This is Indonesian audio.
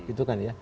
itu kan ya